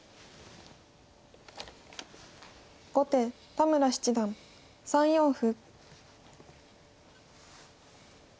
後手田村七段３四歩。